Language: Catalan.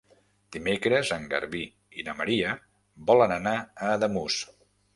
Dimecres en Garbí i na Maria volen anar a Ademús.